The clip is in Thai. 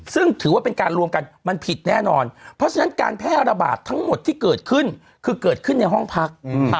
ซึ่งถือว่าเป็นการรวมกันมันผิดแน่นอนเพราะฉะนั้นการแพร่ระบาดทั้งหมดที่เกิดขึ้นคือเกิดขึ้นในห้องพัก